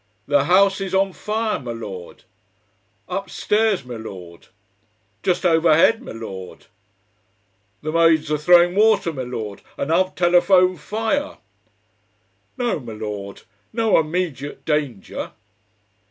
"The house IS on fire, m'lord." "Upstairs, m'lord." "Just overhead, m'lord." "The maids are throwing water, m'lord, and I've telephoned FIRE." "No, m'lord, no immediate danger."